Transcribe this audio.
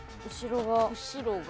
後ろが。